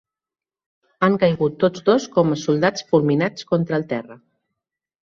Han caigut tots dos com soldats fulminats contra el terra.